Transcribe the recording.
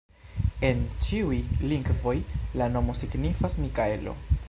En ĉiuj lingvoj la nomo signifas Mikaelo.